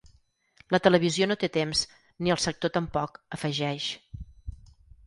La televisió no té temps ni el sector tampoc, afegeix.